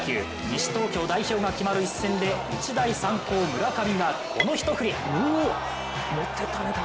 西東京代表が決まる一戦で日大三高・村上がこの１振り。